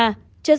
trên xã cương búc